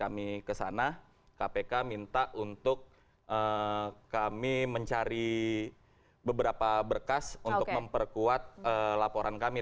kami kesana kpk minta untuk kami mencari beberapa berkas untuk memperkuat laporan kami